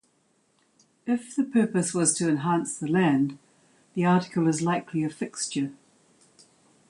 If the purpose was to enhance the land the article is likely a fixture.